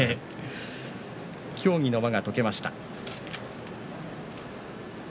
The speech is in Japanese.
協議の輪が解けました。